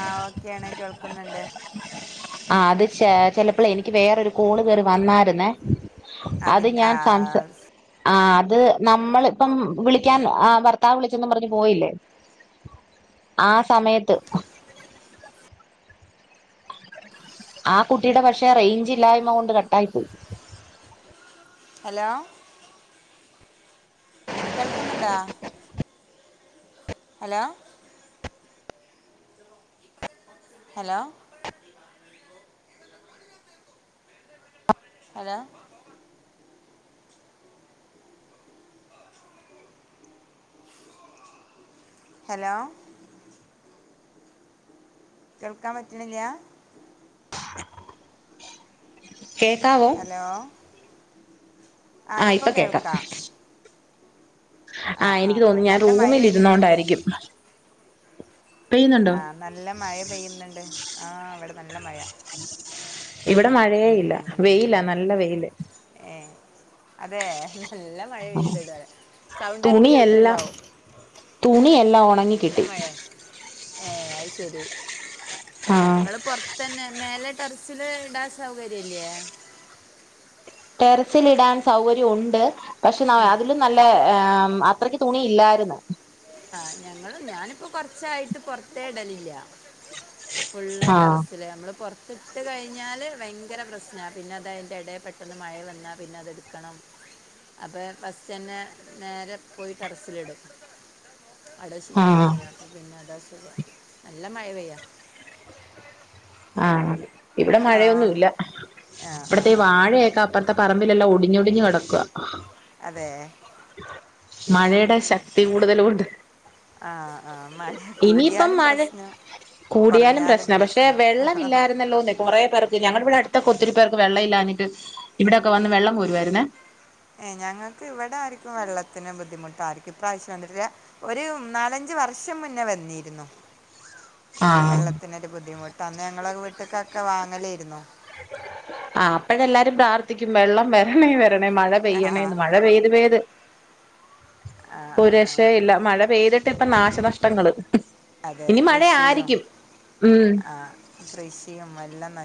ആ ഓക്കെയാണ് കേൾക്കുന്നുണ്ട് ആ അത് ചെല അപ്പോളേ എനിക്ക് വേറൊരു കോള് കേറി വന്നാരുന്നേ അത് അതിൻ്റെ ആ ഞാൻ സംസാ ആ അത് നമ്മളിപ്പം വിളിക്കാൻ ആ ഭർത്താവ് വിളിച്ചെന്നും പറഞ്ഞ് പോയില്ലേ ആ സമയത്ത് ആ കുട്ടിയുടെ പക്ഷെ റേഞ്ച് ഇല്ലായ്മ കൊണ്ട് കട്ടായി പോയി ഹലോ കേൾക്കുന്നുണ്ടോ ഹലോ ഹലോ ഹലോ ഹലോ കേൾക്കാൻ പറ്റണില്ലാ കേക്കാവോ ഹലോ ആ ഇപ്പോൾ ഇപ്പ കേക്കാം കേൾക്കാം ആ എനിക്ക് തോന്നി ഞാൻ റൂമിൽ ഇരുന്നോണ്ടായിരിക്കും പെയ്യുന്നുണ്ടോ ആ നല്ല മയ പെയ്യുന്നുണ്ട് ആ ഇവിടെ നല്ല മഴ ഇവിടെ മഴയേ ഉം, ഇല്ല ഉം, ഉം. വെയിലാ നല്ല വെയില് ഏ അതേ നല്ല മഴ പെയ്യണ്ട് ഇതുവരെ സൗണ്ട് അങ്ങട് കേക്കുണ്ടാവും ല്ലാം ഉണങ്ങി കിട്ടി ഏ അത് ശരി ആ നിങ്ങള് പൊറത്തന്നെ മേലെ ടെറസില് ഇടാൻ സൗകര്യം ഇല്ലേ ടെറസില് ഇടാൻ സൗകര്യം ഉണ്ട് പക്ഷെ [unintelligible] അതിലും നല്ല [inaudible] അത്രയ്ക്ക് തുണി ഇല്ലാർന്ന് ആഹ് ഞങ്ങള് ഞാനിപ്പോ കൊറച്ചായിട്ട് പുറത്തേ ഇഡലില്യ ഫുള്ള് ആഹ് ടെറസില് നമ്മള് പൊറത്ത് ഇട്ട് കഴിഞ്ഞാല് ഭയങ്കര പ്രശ്നാ പിന്നെ അതൻ്റെ എടെയിൽ പെട്ടെന്ന് മഴ വന്നാൽ പിന്നെ അതെടുക്കണം അപ്പം ഫസ്റ്റന്നെ നേരെ പോയി ടെറസിലിടും [unintelligible] ആഹ് അപ്പോ പിന്നെ അതാ സു നല്ല മഴ പെയ്യാ ആഹ് ഇവിടെ മഴയൊന്നുവില്ല ആ ആ ഇവിടത്തെ ഈ ആ. വാഴയൊക്കെ അപ്പുറത്തെ പറമ്പ് പറമ്പിലെല്ലാം ഒടിഞ്ഞ് ഒടിഞ്ഞ് കെടക്കാ അതെ മഴയുടെ ശക്തി കൂടുതലുകൊണ്ട് ആഹ് ആഹ് മഴ കൂടിയാലും മഴ പ്രശ്നം കുറഞ്ഞാലും പ്രശ്നവാ വെള്ളമില്ലാർന്നല്ലോന്നെ കൊറെ പേർക്ക് ഞങ്ങ ഇവിടെ അടുത്തൊക്കെ ഒത്തിരി പേർക്ക് വെള്ളം ഇല്ലാഞ്ഞിട്ട് ഇവിടൊക്കെ വന്ന് വെള്ളം കോരുവായിരുന്നേ ഏ ഞങ്ങക്ക് ഇവിടെ ആരിക്കും വെള്ളത്തിന് ബുദ്ധിമുട്ട് ആരിക്കും ഇപ്രാവശ്യ വന്നിട്ടില്ല ഒരു നാലഞ്ച് വർഷം മുന്നേ വന്നിരുന്നു ആഹ് വെള്ളത്തിനൊരു ബുദ്ധിമുട്ട് അന്ന് ഞങ്ങള് വീട്ട്ക്കൊക്കെ വാങ്ങലാരുന്നു ആ അപ്പഴെല്ലാരും പ്രാർത്ഥിക്കും വെള്ളം വെരണേ വെര കിട്ടണേ മഴ ആ പെയ്യണേന്ന് മഴ പെയ്ത് പെയ്ത് ആ പ്പോ ആ ഒരു രക്ഷയും ഇല്ല മഴ പെയ്തിട്ട് [unintelligible] ഇപ്പ നാശനഷ്ടങ്ങള് അതെ ഇനി കൃഷിയും മഴയായിരിക്കും ഉം ആഹ് കൃഷിയും എല്ലാം നല്ല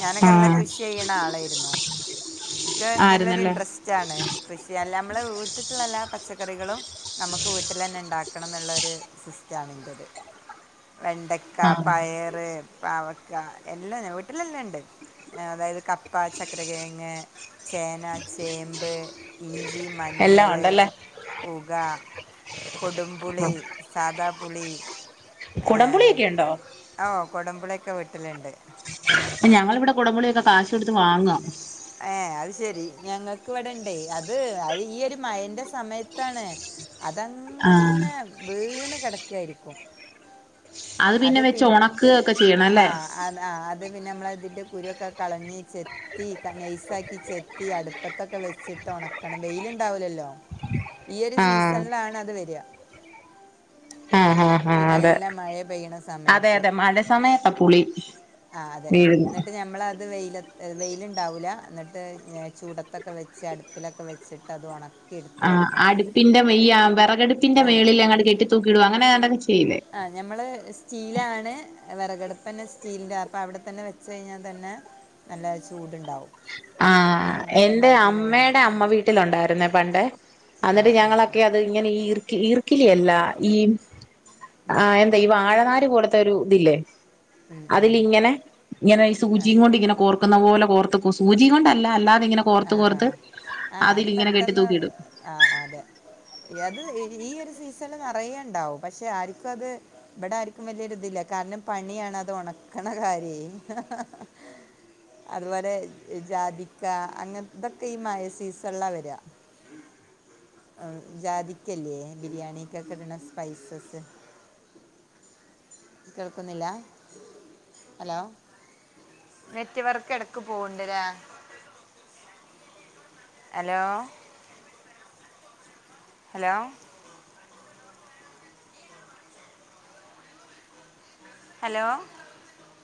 ഞാനൊക്കെ നല്ല ആഹ് കൃഷി ചെയ്യണ ആളായിരുന്നു എനിക്ക് നല്ലൊരു ആയിരുന്നല്ലേ ഇൻട്രസ്റ്റ് ആണ് കൃഷി അല്ല നമ്മള് വീട്ടുക്ക്ള്ള എല്ലാ പച്ചക്കറികളും നമുക്ക് വീട്ടിലെന്നെ ഉണ്ടാക്കണന്നുള്ള സിസ്റ്റാണ് എൻ്റെത് വെണ്ടക്ക ആഹ് പയറ് പാവക്ക് ക്ക എല്ലാം ഞാൻ വീട്ടിലെല്ലാം ഉണ്ട് അതായത് കപ്പ് കപ്പാ, ചക്കര കിഴങ്ങ്, ചേന, ചേമ്പ്, ഇഞ്ചി, എല്ലാം മഞ്ഞള്, ഉണ്ടല്ലേ കൂക, കൊടുംപുളി സാധാ പുളി ഏഹ് കുടംപുളിയൊക്കെ ഉണ്ടോ? ഓ കൊടമ്പുളിയൊക്കെ വീട്ടിലുണ്ട് ഞങ്ങളിവിടെ കുടമ്പുളിയൊക്കെ കാശ് കൊടുത്ത് വാങ്ങാ ഏ അത് ശെരി ഞങ്ങൾക്ക് ഇവിടെ ഇണ്ടേ അത് അത് ഈ ഒരു മയൻ്റെ സമയത്താണ് ആഹ് അതങ്ങനെ വീണ് കെടക്കായിരിക്കും അത് വെച്ച് പിന്നെ ഒണക്കുക ഒക്കെ ചെയ്യണം ആ അല്ലേ ആ അത് പിന്നെ നമ്മളതിന്റെ കുരുവൊക്കെ കളഞ്ഞ് ചെത്തി നൈസാക്കി ചെത്തി അടുപ്പത്തൊക്കെ വെച്ചിട്ട് ഉണക്കണം വെയിലുണ്ടാവൂലല്ലോ ഈയൊരു ആഹ് സീസണിലാണ് അത് വരിക ആ ആ ആ ഈ അതെ നല്ല മഴ പെയ്യണ അതെ സമയത്ത് അതെ മഴ സമയത്താ പുളി ആ അതെ വീഴുന്നെ എന്നിട്ട് ഞമ്മൾ അത് വെയി- വെയിലുണ്ടാവൂല്ല എന്നിട്ട് ചൂടത്തൊക്കെ വെച്ച് അടുപ്പിലൊക്കെ വെച്ചിട്ട് അത് ഒണ ആ് അടുപ്പിന്റെ ഈ വിറകടുപ്പിന്റെ ആ മേളിൽ എങ്ങണ്ട് കെട്ടി തൂക്കിടുും അങ്ങനെ ഏതാ ആ ഞമ്മള് സ്റ്റീലാണ് വിറകട പ്പന്നെ സ്റ്റീലിൻ്റെ അപ്പം അവിടെത്തന്നെ വെച്ച കഴിഞ്ഞാൽ തന്നെ നല്ല ചൂടുണ്ടാാവും ആ എന്റെ അമ്മെടെ അമ്മ വീട്ടിലൊണ്ടാരുന്നേ പണ്ടെ ആ ആന്നിട്ട് ആ ആ ഞങ്ങളൊക്കെ അത് ഇങ്ങനെ ഈർക്ക് ഈർ ല്ല ഈ ആ എന്താ ഈ വാഴനാ [unintelligible] ഒരു ഇതില്ലേ ഉം, ഉം. അതിൽങ്ങനെ ഇങ്ങനെ സൂചിയും കൊണ്ട് ഇങ്ങനെ കോർക്കുന്ന പോലെ കോർത്ത് സൂചീം കൊണ്ടല്ല അല്ലാത് ആഹ് ആഹ് ആഹ് അത് കെട്ടി പെട്ടെന്ന് തൂക്കിയിടും ആഹ് അതെ അത് ഈ ഈയൊരു സീസണില് നിറയെണ്ടാവും പക്ഷെ ആരിക്കും അത് ഇവിടെ ആരിക്കും വലിയൊരിതില്ല കാരണം പണിയാണ് അത് ഒണക്കണ കാര്യേ അതുപോലെ ജാതിക്കാ അങ്ങനത്തൊക്കെ ഈ മയ സീസണിലാ വരുവാ ഉം ജാതിക്കല്ലേ ബിരിയാണിക്കൊക്ക ഇടണ സ്പൈസസ് കേൾക്കുന്നില്ല ഹലോ നെറ്റ്‌വർക്ക് ഇടക്ക് പോവണ്ടല്ല ഹലോ ഹലോ ഹലോ